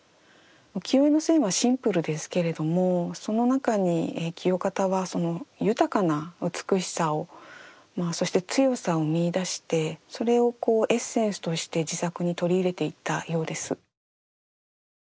浮世絵の線はシンプルですけれどもその中に清方はその豊かな美しさをそして強さを見いだしてそれをエッセンスとして自作に取り入れていったようです。